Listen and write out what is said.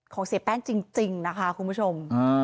เสียแป้งจริงนะคะคุณผู้ชม